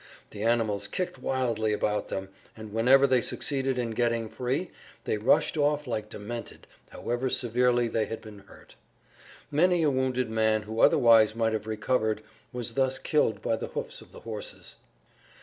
The animals kicked wildly about them, and whenever they succeeded in getting free they rushed off like demented however severely they had been hurt. Many a wounded man who otherwise might have recovered was thus killed by the hoofs of the horses.